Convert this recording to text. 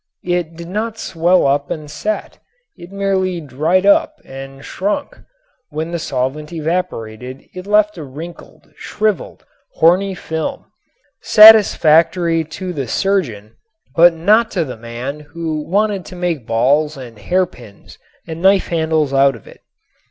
It did not swell up and set; it merely dried up and shrunk. When the solvent evaporated it left a wrinkled, shriveled, horny film, satisfactory to the surgeon but not to the man who wanted to make balls and hairpins and knife handles out of it.